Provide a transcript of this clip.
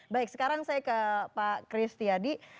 baik sekarang saya ke pak kris tiadi